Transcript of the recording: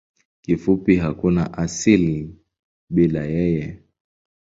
Kifupi hakuna asili bila yeye.